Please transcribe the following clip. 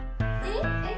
えっ？